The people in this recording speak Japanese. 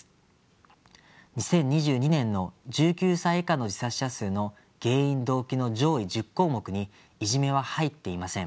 ２０２２年の１９歳以下の自殺者数の原因・動機の上位１０項目に「いじめ」は入っていません。